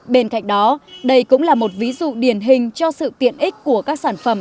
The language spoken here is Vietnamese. bên cạnh đó đây cũng là một ví dụ điển hình cho sự tiện ích của các sản phẩm